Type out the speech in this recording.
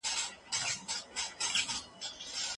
پر مځکي باندې مړژواندي بوټي په باران سره شنه کېږي.